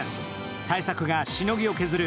大作がしのぎを削る